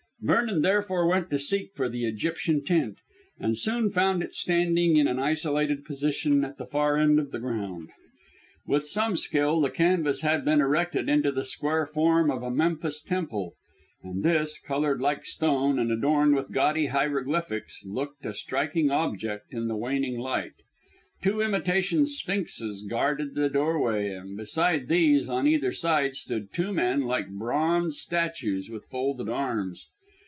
Vernon therefore went to seek for the Egyptian tent and soon found it standing in an isolated position at the far end of the ground. With some skill the canvas had been erected into the square form of a Memphis temple, and this, coloured like stone and adorned with gaudy hieroglyphics, looked a striking object in the waning light. Two imitation sphinxes guarded the doorway, and beside these on either side stood two men like bronze statues with folded arms.